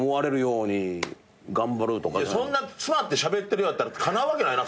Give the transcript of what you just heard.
そんな詰まってしゃべってるようやったらかなうわけないな！